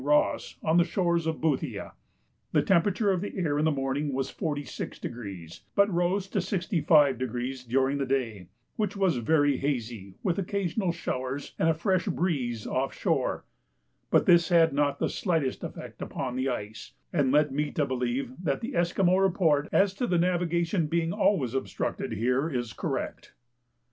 Ross on the shores of Boothia. The temperature of the air in the morning was 46°, but rose to 65° during the day, which was very hazy, with occasional showers and a fresh breeze off shore; but this had not the slightest effect upon the ice, and led me to believe that the Esquimaux report as to the navigation being always obstructed here is correct.